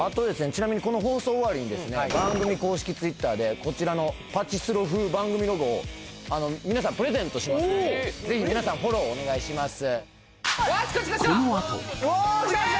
ちなみにこの放送終わりにですね番組公式Ｔｗｉｔｔｅｒでこちらの「パチスロ風番組ロゴ」を皆さんプレゼントしますのでぜひ皆さんフォローお願いします